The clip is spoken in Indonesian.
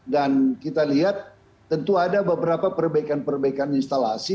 dan kita lihat tentu ada beberapa perbaikan perbaikan instalasi